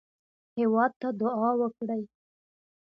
هېواد ته دعا وکړئ